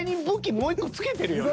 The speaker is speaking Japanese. もう１個付けてるよな。